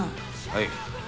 はい。